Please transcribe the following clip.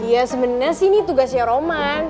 iya sebenernya sih ini tugasnya roman